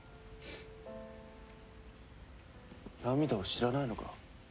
涙を知らないのか？